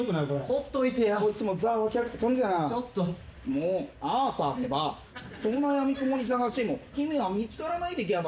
「もうアーサーってばそんなやみくもに捜しても姫は見つからないでギャバスよ」